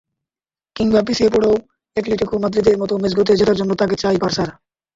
কিংবা পিছিয়ে পড়েও অ্যাটলেটিকো মাদ্রিদের মতো ম্যাচগুলোতে জেতার জন্য তাঁকে চাই বার্সার।